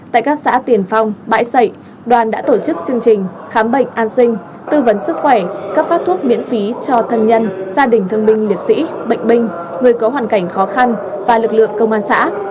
tại các xã tiền phong bãi sẩy đoàn đã tổ chức chương trình khám bệnh an sinh tư vấn sức khỏe cấp phát thuốc miễn phí cho thân nhân gia đình thương binh liệt sĩ bệnh binh người có hoàn cảnh khó khăn và lực lượng công an xã